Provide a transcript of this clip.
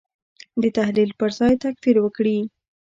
د تحلیل پر ځای تکفیر وکړي.